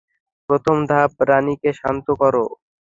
প্রথম ধাপ, রাণীকে শান্ত করো।